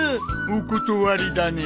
お断りだね。